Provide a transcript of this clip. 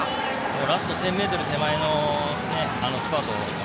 ラスト１０００ｍ手前でスパートを。